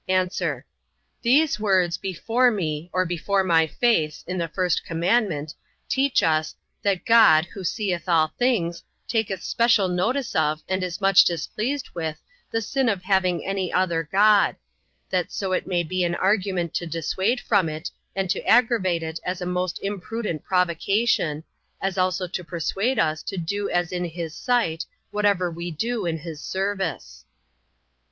A. These words, before me, or before my face, in the first commandment, teach us, that God, who seeth all things, taketh special notice of, and is much displeased with, the sin of having any other God: that so it may be an argument to dissuade from it, and to aggravate it as a most impudent provocation: as also to persuade us to do as in his sight, whatever we do in his service.